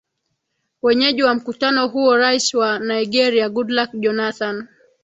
wenyeji wa mkutano huo rais wa nigeria goodluck jonathan